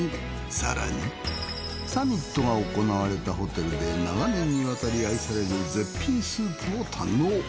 更にサミットが行われたホテルで長年にわたり愛される絶品スープを堪能。